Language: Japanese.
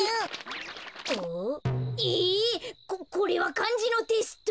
えここれはかんじのテスト？